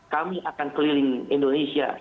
kami akan keliling indonesia